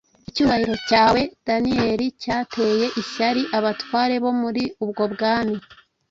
Icyubahiro cyahawe Daniyeli cyateye ishyari abatware bo muri ubwo bwami.